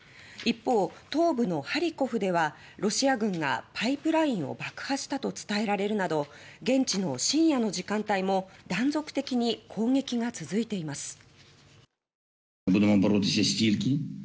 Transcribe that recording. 一方、東部のハリコフではロシア軍がパイプラインを爆破したと伝えられるなど現地の深夜の時間帯も断続的に攻撃が続いています。